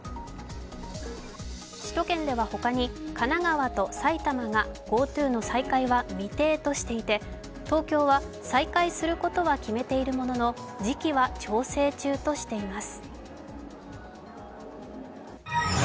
首都圏では他に神奈川と埼玉がＧｏＴｏの再開は未定としていて、東京は再開することは決めているものの時期は調整中としています。